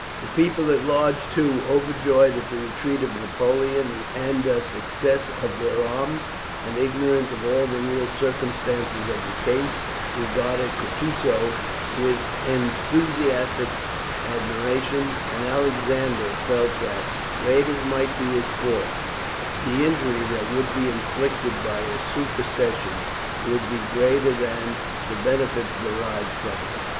The people at large, too, overjoyed at the retreat of Napoleon and the success of their arms, and ignorant of all the real circumstances of the case, regarded Kutusow with enthusiastic admiration; and Alexander felt that, great as might be his faults, the injury that would be inflicted by his supercession would be greater than the benefits derived from it.